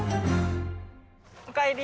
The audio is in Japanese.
おかえり。